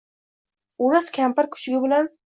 oʼris kampir kuchugi bilan